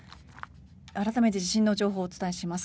改めて地震の情報をお伝えします。